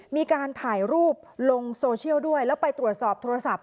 มีการถ่ายรูปลงโซเชียลด้วยแล้วไปตรวจสอบโทรศัพท์